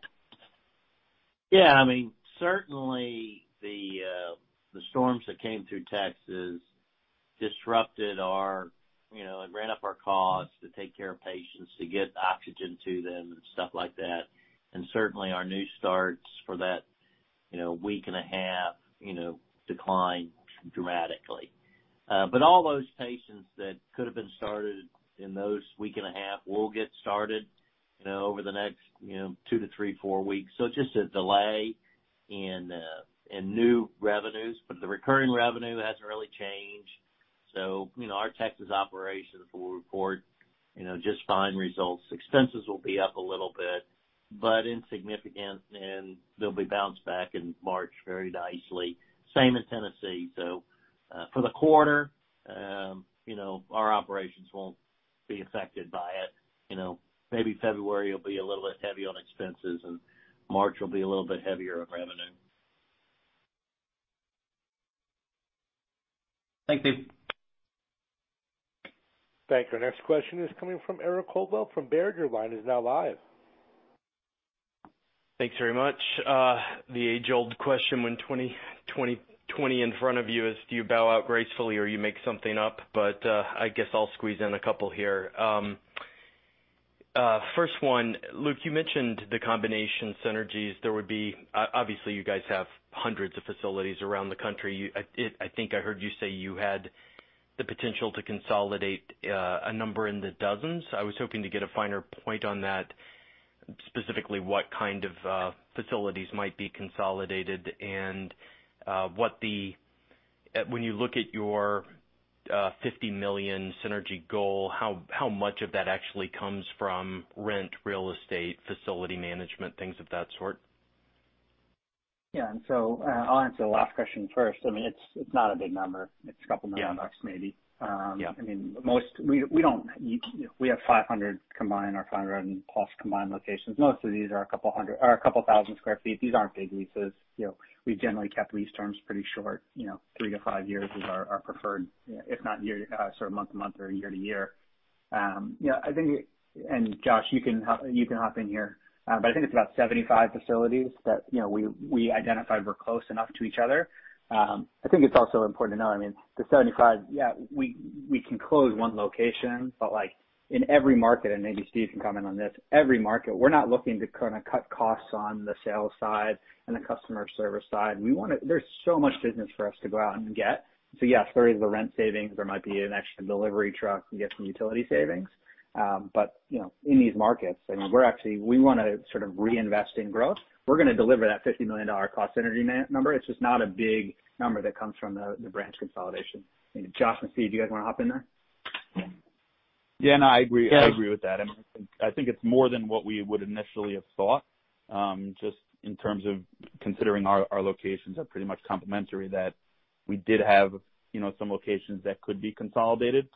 Yeah. I mean, certainly, the storms that came through Texas disrupted our, you know, it ran up our costs to take care of patients, to get oxygen to them and stuff like that. Certainly, our new starts for that, you know, week and a half, you know, declined dramatically. All those patients that could've been started in those week and a half will get started, you know, over the next two to three, four weeks. It's just a delay in new revenues. The recurring revenue hasn't really changed. Our Texas operations will report just fine results. Expenses will be up a little bit, but insignificant, and they'll be bounced back in March very nicely, same in Tennessee. For the quarter, our operations won't be affected by it. You know, maybe February will be a little bit heavy on expenses, and March will be a little bit heavier on revenue. Thanks, Steve. Thank you. Our next question is coming from Eric Coldwell from Baird. Your line is now live. Thanks very much. The age-old question, when 2020 in front of you is, do you bow out gracefully or you make something up? I guess I'll squeeze in a couple here. First one, Luke, you mentioned the combination synergies. Obviously, you guys have hundreds of facilities around the country. I think I heard you say you had the potential to consolidate a number in the dozens. I was hoping to get a finer point on that, specifically, what kind of facilities might be consolidated and when you look at your $50 million synergy goal, how much of that actually comes from rent, real estate, facility management, things of that sort? Yeah. I'll answer the last question first. I mean, it's not a big number. It's a couple million dollars maybe. Yeah. We have 500 combined or 500-plus combined locations. Most of these are a couple 1,000 sq ft. These aren't big leases. We've generally kept lease terms pretty short. Three years to five years is our preferred, if not sort of month to month or year to year. Josh, you can hop in here, but I think it's about 75 facilities that we identified were close enough to each other. I think it's also important to know, I mean, the 75, yeah, we can close one location, but in every market, and maybe Steve can comment on this, every market, we're not looking to cut costs on the sales side and the customer service side. There's so much business for us to go out and get. Yes, there is the rent savings. There might be an extra delivery truck. We get some utility savings. In these markets, you know, we want to sort of reinvest in growth. We're going to deliver that $50 million cost synergy number. It's just not a big number that comes from the branch consolidation. Josh and Steve, do you guys want to hop in there? Yeah, no, I agree. I agree with that. I think it's more than what we would initially have thought, just in terms of considering our locations are pretty much complementary, that we did have some locations that could be consolidated.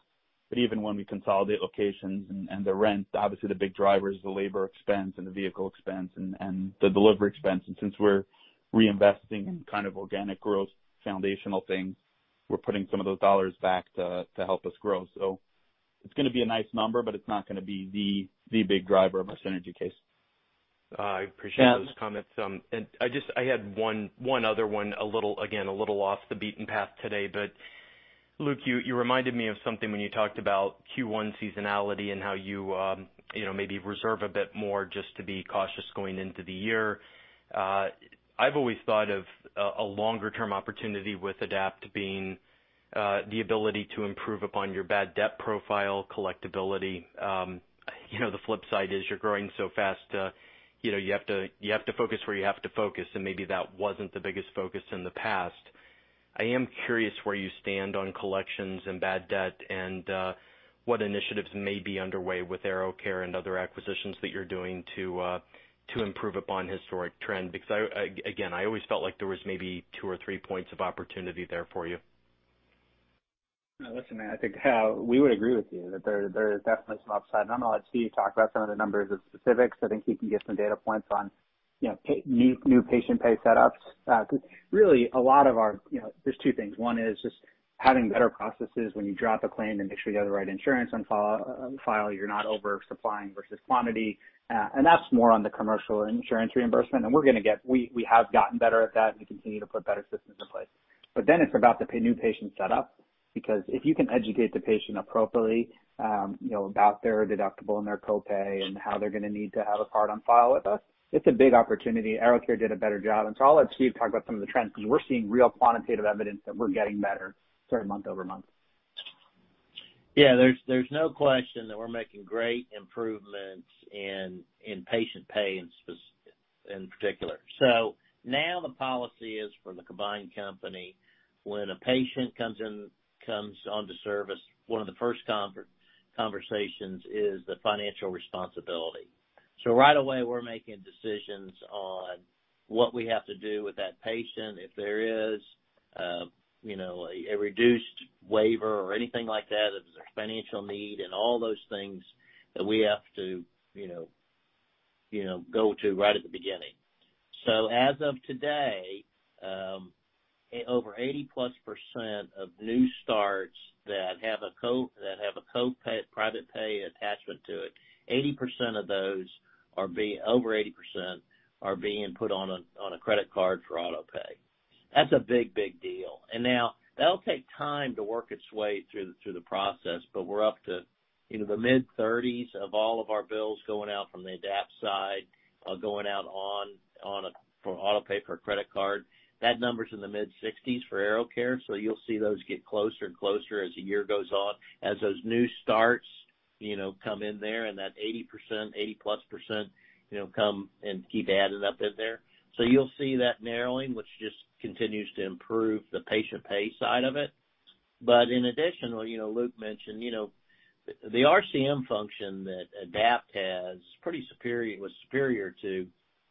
Even when we consolidate locations and the rent, obviously the big driver is the labor expense and the vehicle expense and the delivery expense. Since we're reinvesting in kind of organic growth foundational things, we're putting some of those dollars back to help us grow. It's going to be a nice number, but it's not going to be the big driver of our synergy case. I appreciate those comments. I had one other one, again, a little off the beaten path today, but Luke, you reminded me of something when you talked about Q1 seasonality and how you maybe reserve a bit more just to be cautious going into the year. I've always thought of a longer-term opportunity with Adapt being the ability to improve upon your bad debt profile, collectability. The flip side is you're growing so fast, you have to focus where you have to focus, and maybe that wasn't the biggest focus in the past. I am curious where you stand on collections and bad debt, and what initiatives may be underway with AeroCare and other acquisitions that you're doing to improve upon historic trend. Again, I always felt like there was maybe two or three points of opportunity there for you. Listen, I think we would agree with you that there is definitely some upside. I'm going to let Steve talk about some of the numbers of specifics. I think he can give some data points on new patient pay setups but, really, there's two things. One is just having better processes when you drop a claim to make sure you have the right insurance on file, you're not oversupplying versus quantity, and that's more on the commercial insurance reimbursement. We have gotten better at that, and we continue to put better systems in place. It's about the new patient setup, because if you can educate the patient appropriately, about their deductible and their copay and how they're going to need to have a card on file with us, it's a big opportunity. AeroCare did a better job. I'll let Steve talk about some of the trends, because we're seeing real quantitative evidence that we're getting better sort of month-over-month. Yeah, there's no question that we're making great improvements in patient pay in particular. Now the policy is for the combined company, when a patient comes onto service, one of the first conversations is the financial responsibility. Right away, we're making decisions on what we have to do with that patient, if there is a reduced waiver or anything like that, if there's a financial need, and all those things that we have to, you know, go to right at the beginning. As of today, over 80+% of new starts that have a copay private pay attachment to it, over 80% are being put on a credit card for auto pay. That's a big, big deal. Now, that'll take time to work its way through the process, but we're up to the mid-30s of all of our bills going out from the Adapt side, going out on for auto pay per credit card. That number's in the mid-60s for AeroCare so you'll see those get closer and closer as the year goes on, as those new starts come in there and that 80%, 80+% come, and keep adding up in there. You'll see that narrowing, which just continues to improve the patient pay side of it. In addition, you know, Luke mentioned, the RCM function that Adapt has was superior to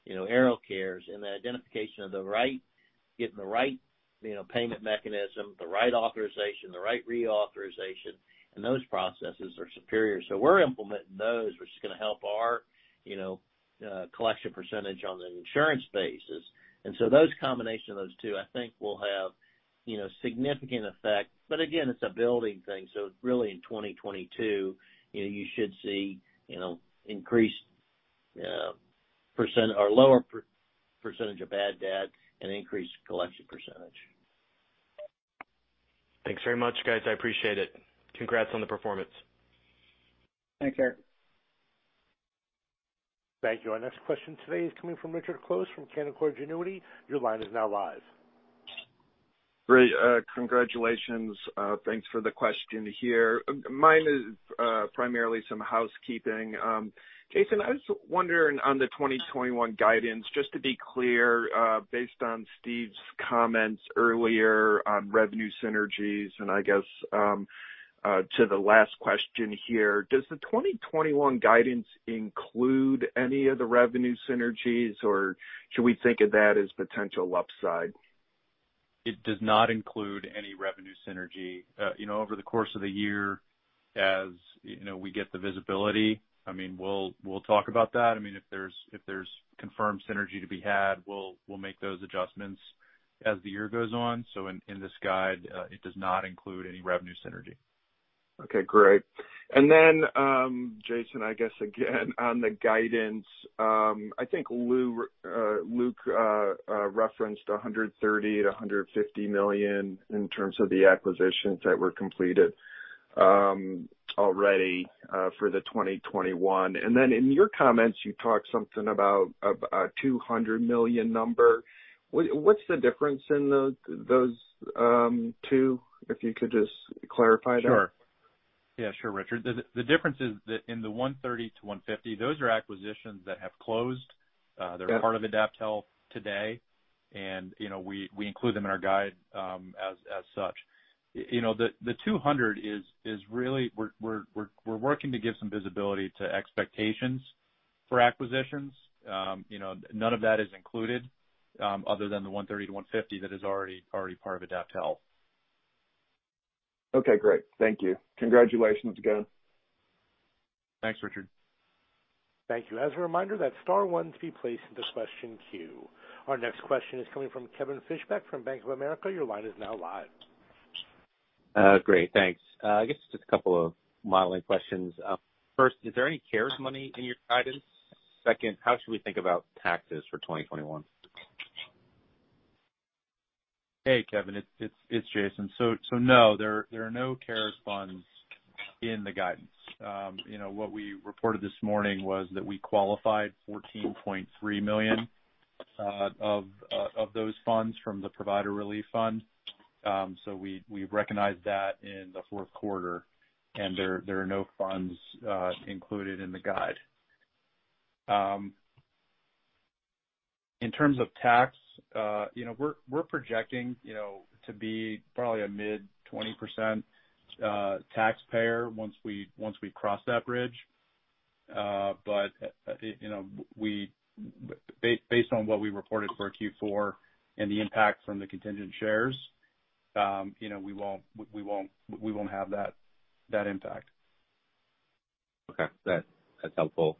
AeroCare's in the identification of getting the right payment mechanism, the right authorization, the right reauthorization, and those processes are superior. We're implementing those, which is going to help our collection percentage on the insurance basis. Those combination of those two, I think will have significant effect. Again, it's a building thing, so it's really in 2022, you should see lower percentage of bad debt and increased collection percentage. Thanks very much, guys. I appreciate it. Congrats on the performance. Thanks, Eric. Thank you. Our next question today is coming from Richard Close from Canaccord Genuity. Your line is now live. Great, congratulations, thanks for the question here. Mine is primarily some housekeeping. Jason, I was wondering on the 2021 guidance, just to be clear, based on Steve's comments earlier on revenue synergies, and I guess, to the last question here, does the 2021 guidance include any of the revenue synergies, or should we think of that as potential upside? It does not include any revenue synergy. Over the course of the year, as we get the visibility, we'll talk about that. If there's confirmed synergy to be had, we'll make those adjustments as the year goes on. In this guide, it does not include any revenue synergy. Okay, great, and then Jason, I guess again, on the guidance, I think Luke referenced $130 million to $150 million in terms of the acquisitions that were completed already for 2021. In your comments, you talked something about a $200 million number. What's the difference in those two, if you could just clarify that? Sure. Yeah, sure, Richard. The difference is that in the $130 million to $150 million, those are acquisitions that have closed. Yep. They're part of AdaptHealth today and, you know, we include them in our guide as such. The $200 million is really, we're working to give some visibility to expectations for acquisitions. None of that is included other than the $130 million to $150 million that is already part of AdaptHealth. Okay, great. Thank you. Congratulations again. Thanks, Richard. Thank you. As a reminder, that is star one to be placed in the question queue. Our next question is coming from Kevin Fischbeck from Bank of America. Your line is now live. Great, thanks, and I guess just a couple of modeling questions. First, is there any CARES money in your guidance? Second, how should we think about taxes for 2021? Hey, Kevin. It's Jason. No, there are no CARES funds in the guidance. What we reported this morning was that we qualified $14.3 million of those funds from the Provider Relief Fund. We recognized that in the fourth quarter and there are no funds included in the guide. In terms of tax, you know, we're projecting to be probably a mid-20% taxpayer once we cross that bridge. But, you know, based on what we reported for Q4 and the impact from the contingent shares, we won't have that impact. Okay, that's helpful,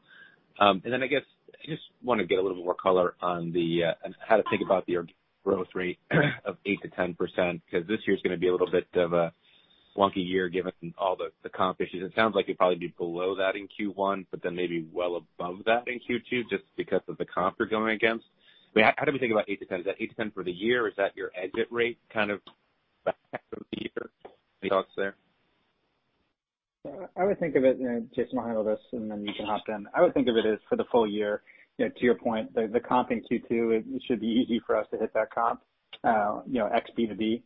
and then I guess I just want to get a little bit more color on how to think about your growth rate of 8% to 10%, because this year's going to be a little bit of a wonky year given all the comp issues. It sounds like you'll probably be below that in Q1, maybe well above that in Q2 just because of the comp you're going against. How do we think about 8% to 10%? Is that 8% to 10% for the year? Is that your exit rate kind of back half of the year? Any thoughts there? I would think of it, and Jason will handle this and then you can hop in. I would think of it as for the full year. To your point, the comp in Q2, it should be easy for us to hit that comp, you know, ex B2B,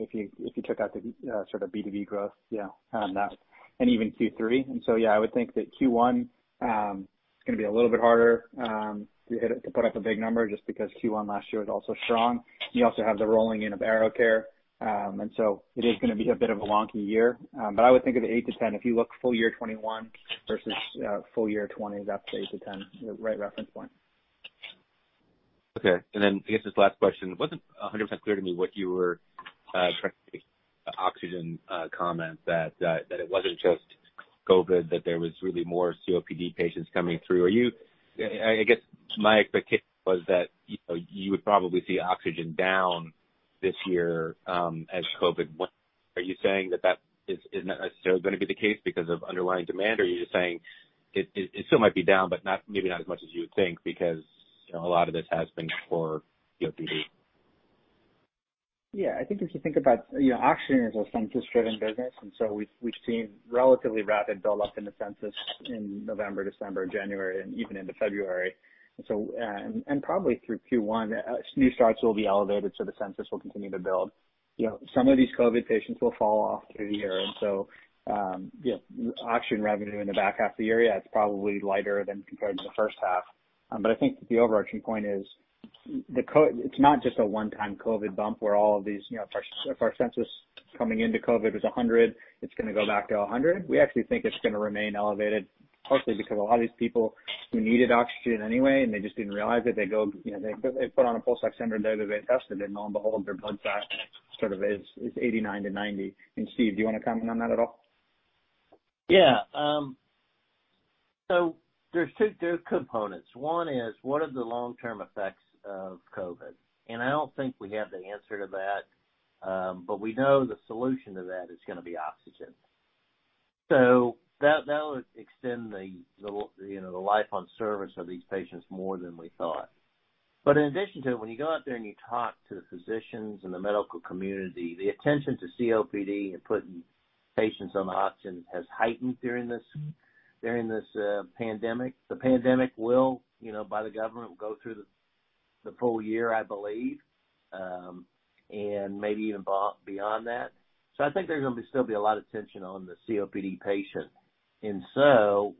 if you took out the sort of B2B growth and even Q3. Yeah, I would think that Q1 is going to be a little bit harder to put up a big number just because Q1 last year was also strong. You also have the rolling in of AeroCare. It is going to be a bit of a wonky year. I would think of the 8 to 10, if you look full-year 2021 versus full-year 2020 is up to 8 to 10, the right reference point. Okay. I guess this last question. It wasn't 100% clear to me what you were trying to make the oxygen comment, that it wasn't just COVID, that there was really more COPD patients coming through, and I guess my expectation was that you would probably see oxygen down this year as COVID went. Are you saying that is not necessarily going to be the case because of underlying demand, or are you just saying it still might be down, but maybe not as much as you would think because a lot of this has been for COPD? Yeah, I think if you think about oxygen as a census-driven business, and so we've seen relatively rapid build up in the census in November, December, January, and even into February, and probably through Q1, new starts will be elevated, so the census will continue to build. Some of these COVID patients will fall off through the year, and so, you know, oxygen revenue in the back half of the year, yeah, it's probably lighter than compared to the first half. I think that the overarching point is it's not just a one-time COVID bump where all of these, if our census coming into COVID was 100, it's going to go back to 100. We actually think it's going to remain elevated, partly because a lot of these people who needed oxygen anyway and they just didn't realize it, they put on a pulse oximeter the day they tested and lo and behold, their blood sat sort of is 89% to 90%. Steve, do you want to comment on that at all? Yeah, so there's two good components. One is what are the long-term effects of COVID? I don't think we have the answer to that. We know the solution to that is going to be oxygen. That would extend the, you know, the life on service of these patients more than we thought. In addition to it, when you go out there and you talk to the physicians and the medical community, the attention to COPD and putting patients on oxygen has heightened during this pandemic. The pandemic will, by the government, go through the full year, I believe, and maybe even beyond that. I think there's going to still be a lot of tension on the COPD patient.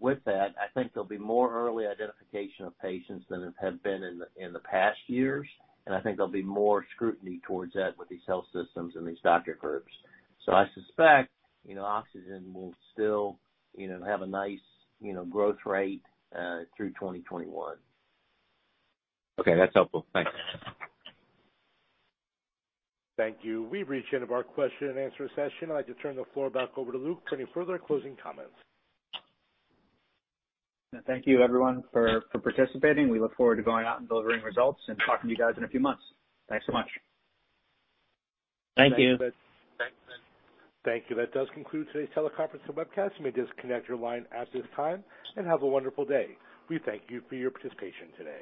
With that, I think there'll be more early identification of patients than have been in the past years, and I think there'll be more scrutiny towards that with these health systems and these doctor groups. I suspect, you know, oxygen will still have a nice growth rate through 2021. Okay, that's helpful. Thanks. Thank you. We have reached the end of our question and answer session. I'd like to turn the floor back over to Luke for any further closing comments. Thank you everyone for participating. We look forward to going out and delivering results and talking to you guys in a few months. Thanks so much. Thank you. Thank you. That does conclude today's teleconference and webcast. You may disconnect your line at this time, and have a wonderful day. We thank you for your participation today.